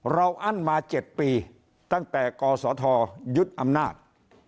อั้นมา๗ปีตั้งแต่กศธยึดอำนาจ